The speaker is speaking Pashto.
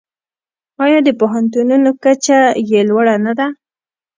آیا د پوهنتونونو کچه یې لوړه نه ده؟